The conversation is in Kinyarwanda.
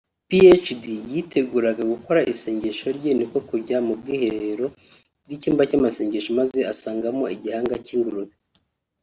PhD yiteguraga gukora isengesho rye niko kujya mu bwiherero bw’icyumba cy’amasengesho maze asangamo igihanga cy’ingurube